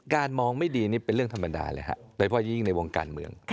มองไม่ดีนี่เป็นเรื่องธรรมดาเลยฮะโดยเฉพาะยิ่งในวงการเมือง